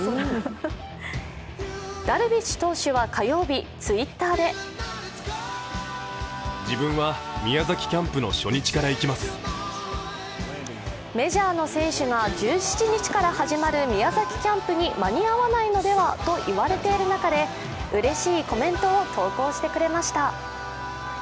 ダルビッシュ投手は火曜日、Ｔｗｉｔｔｅｒでメジャーの選手が１７日から始まる宮崎キャンプに間に合わないのではといわれている中でうれしいコメントを投稿してくれました。